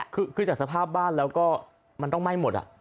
คือจากสภาพบ้านแล้วก็มันต้องไหม้หมด